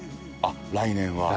来年は。